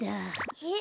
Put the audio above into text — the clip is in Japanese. えっ？